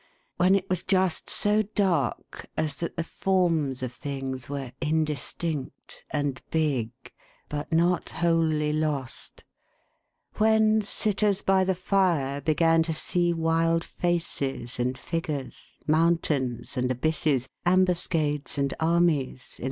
When it was just so dark, as that the forms of things were indistinct and big — but not wholly lost When sitters by the fire began to see wild faces and figures, mountains and abysses, ^ ambuscades and armies, in